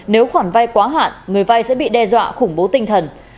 nếu khoản vai quá hạn người vai sẽ bị đe dọa khủng bố tinh thần